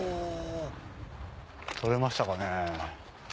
取れましたかね？